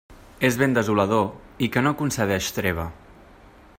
És vent desolador i que no concedeix treva.